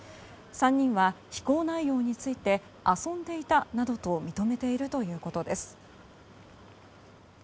３人は、非行内容について遊んでいたなどと認めているということです。